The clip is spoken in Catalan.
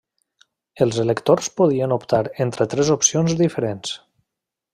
Els electors podien optar entre tres opcions diferents.